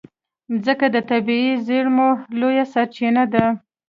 مځکه د طبعي زېرمو لویه سرچینه ده.